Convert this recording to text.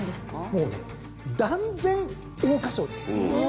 もうね断然桜花賞です！